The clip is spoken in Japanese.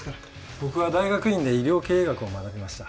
僕は大学院で医療経営学を学びました。